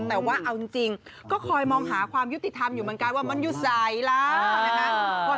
แต่ว่าเอาจริงก็คอยมองหาความยุติธรรมอยู่เหมือนกันว่ามันอยู่สายล้านะคะ